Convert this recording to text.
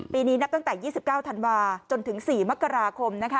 ปีนี้นับตั้งแต่๒๙ธันวาจนถึง๔มกราคมนะคะ